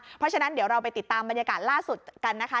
เพราะฉะนั้นเดี๋ยวเราไปติดตามบรรยากาศล่าสุดกันนะคะ